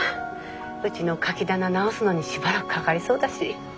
うちのカキ棚直すのにしばらくかかりそうだし。